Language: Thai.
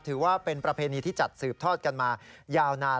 ถือว่าเป็นประเพณีที่จัดสืบทอดกันมายาวนาน